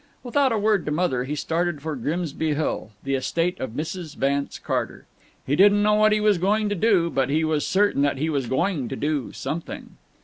Without a word to Mother he started for Grimsby Hill, the estate of Mrs. Vance Carter. He didn't know what he was going to do, but he was certain that he was going to do something.